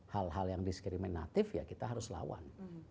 hal hal yang diskriminatif ya kita harus lawan